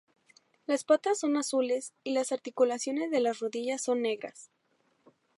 Las patas son azules y las articulaciones de las rodillas son negras.